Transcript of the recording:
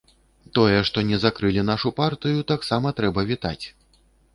Тое, што не закрылі нашу партыю, таксама трэба вітаць.